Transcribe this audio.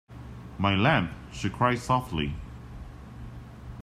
“My lamb!” she cried softly.